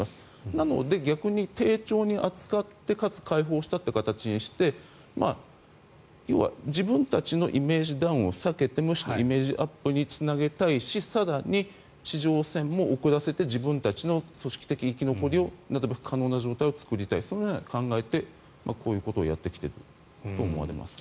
なので、逆に丁重に扱ってかつ解放したという形にして要は自分たちのイメージダウンを避けてむしろイメージアップにつなげたいし更に地上戦も遅らせて自分たちの組織的生き残りが可能な状態を作りたいそういうようなことを考えてやっていると思います。